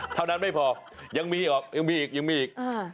เท่านั้นไม่พอยังมีออกยังมีอีกยังมีอีก